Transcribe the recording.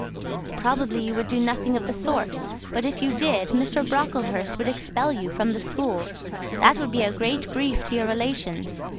"Probably you would do nothing of the sort: but if you did, Mr. Brocklehurst would expel you from the school; that would be a great grief to your relations.